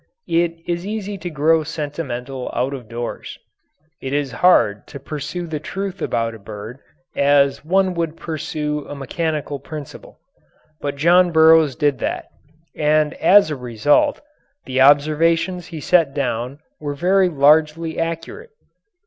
It is easy to grow sentimental out of doors; it is hard to pursue the truth about a bird as one would pursue a mechanical principle. But John Burroughs did that, and as a result the observations he set down were very largely accurate.